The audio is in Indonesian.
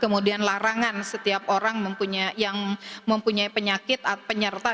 kemudian larangan setiap orang yang mempunyai penyakit penyerta